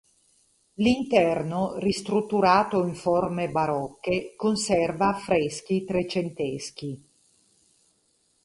L'interno, ristrutturato in forme barocche, conserva affreschi trecenteschi.